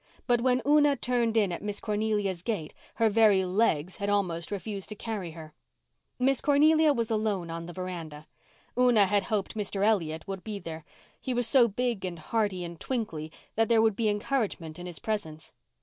But when Una turned in at Miss Cornelia's gate her very legs had almost refused to carry her. Miss Cornelia was alone on the veranda. Una had hoped Mr. Elliott would be there. He was so big and hearty and twinkly that there would be encouragement in his presence.